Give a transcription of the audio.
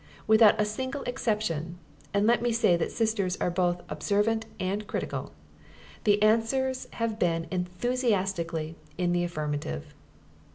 Without a single exception (and let me say that Sisters are both observant and critical) the answers have been enthusiastically in the affirmative.